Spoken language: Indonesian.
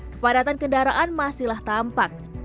kepadatan kendaraan masihlah tampak